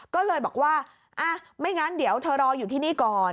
ก็เลยบอกว่าไม่งั้นเดี๋ยวเธอรออยู่ที่นี่ก่อน